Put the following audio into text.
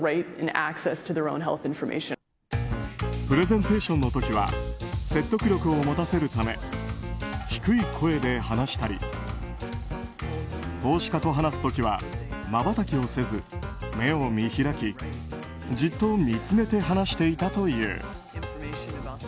プレゼンテーションの時は説得力を持たせるため低い声で話したり投資家と話す時はまばたきをせず、目を見開きじっと見つめて話していたという。